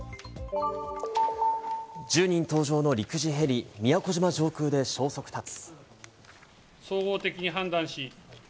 １０人搭乗の陸自ヘリ、宮古島上空で消息絶つ。